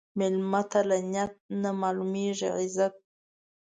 مېلمه ته له نیت نه معلومېږي عزت.